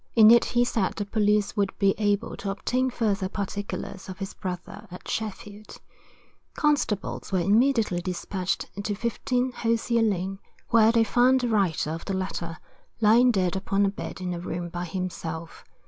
In it he said the police would be able to obtain further particulars of his brother at Sheffield. Constables were immediately despatched to 15, Hosier lane, where they found the writer of the letter lying dead upon a bed in a room by himself.